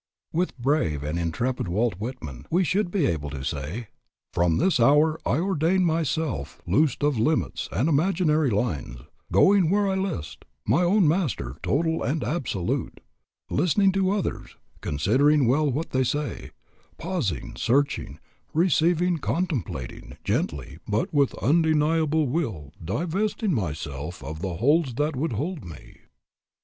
With brave and intrepid Walt Whitman, we should all be able to say "From this hour I ordain myself loos'd of limits and imaginary lines, Going where I list, my own master total and absolute, Listening to others, considering well what they say, Pausing, searching, receiving, contemplating, Gently, but with undeniable will divesting myself of the holds that would hold me."